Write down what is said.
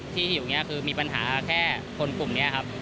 ที่อยู่อย่างนี้คือมีปัญหาแค่คนกลุ่มนี้ครับ